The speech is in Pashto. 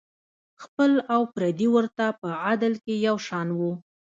خپل او پردي ورته په عدل کې یو شان وو.